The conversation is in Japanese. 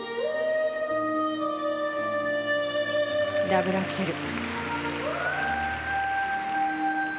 ダブルアクセル。